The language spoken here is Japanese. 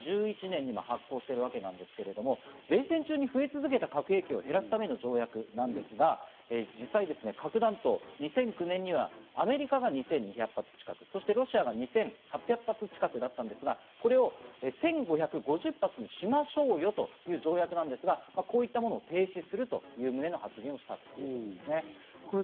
この新ＳＴＡＲＴ＝新戦略兵器削減条約というのはロシアとアメリカの間で唯一残された条約で、２０１１年に発行しているわけなんですけれども、冷戦中に増え続けた核兵器を減らすための条約なんですが、実際、核弾頭を２００９年にはアメリカが２２００発近く、ロシアが２８００発近くだったんですが、これを１５００発にしましょうよという条約なんですが、こういったものを停止するという旨の発言をしたということですね。